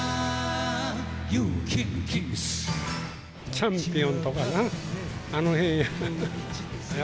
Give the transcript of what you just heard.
チャンピオンとかな、あのへんや。